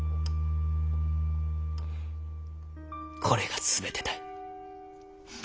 これが全てたい。